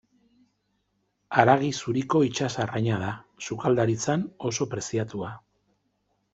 Haragi zuriko itsas arraina da, sukaldaritzan oso preziatua.